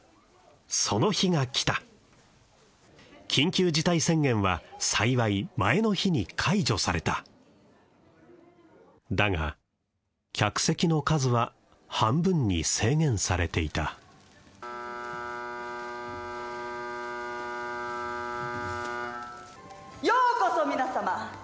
その日が来た緊急事態宣言は幸い前の日に解除されただが客席の数は半分に制限されていたようこそ皆様